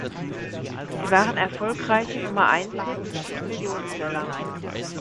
Sie waren erfolgreiche Nummer-eins-Hits und Millionenseller.